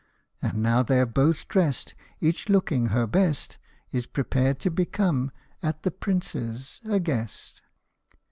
And now they're both drest, each, looking her best, Is prepared to become at the Prince's a guest.